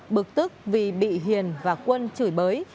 bực tức vì bị hiền và quân chửi bới